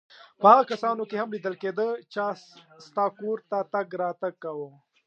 په هغو کسانو کې هم لیدل کېده چا ستا کور ته تګ راتګ کاوه.